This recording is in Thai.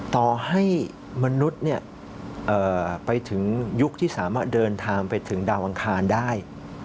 ต่อให้มนุษย์ไปถึงยุคที่สามารถเดินทางไปถึงดาวอังคารได้